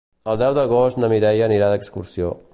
El deu d'agost na Mireia anirà d'excursió.